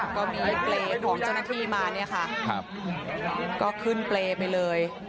ก็มีเปรย์ของเจ้าหน้าที่มาเนี่ยค่ะก็ขึ้นเปรย์ไปเลย